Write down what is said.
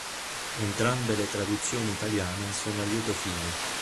Entrambe le traduzioni italiane sono a lieto fine.